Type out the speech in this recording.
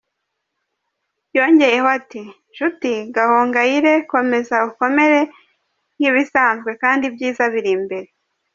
" Yongeyeho ati "Nshuti Gahongayire komeza ukomere nk’ibisanzwe kandi ibyiza biri imbere.